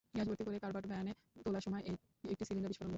Gas ভর্তি করে covered ভ্যানে তোলার সময় একটি সিলিন্ডারে বিস্ফোরণ ঘটে।